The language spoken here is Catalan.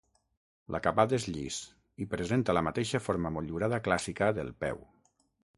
L'acabat és llis i presenta la mateixa forma motllurada clàssica del peu.